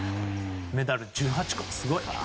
メダル１８個、すごい。